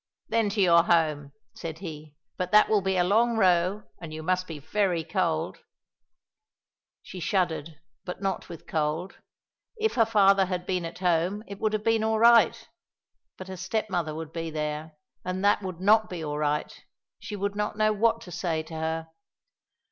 "Then to your home," said he. "But that will be a long row, and you must be very cold." She shuddered, but not with cold. If her father had been at home it would have been all right, but her step mother would be there, and that would not be all right. She would not know what to say to her.